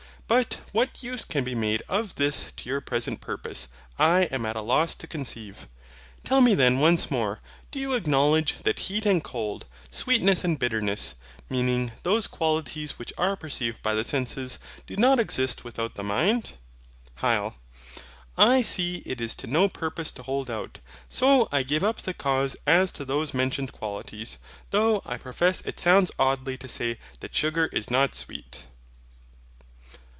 But what use can be made of this to your present purpose, I am at a loss to conceive. Tell me then once more, do you acknowledge that heat and cold, sweetness and bitterness (meaning those qualities which are perceived by the senses), do not exist without the mind? HYL. I see it is to no purpose to hold out, so I give up the cause as to those mentioned qualities. Though I profess it sounds oddly, to say that sugar is not sweet.